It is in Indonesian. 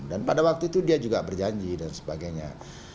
dan pada waktu itu dia juga berjanji dan sebagainya